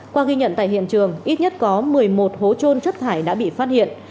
qua ghi nhận tại hiện trường ít nhất có một mươi một hố trôn chất thải đã bị phát hiện